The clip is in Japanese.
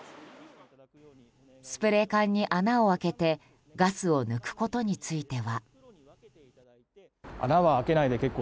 スプレー缶に穴を開けてガスを抜くことについては。